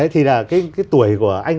thì là cái tuổi của anh